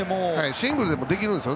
シングルでもできるんです。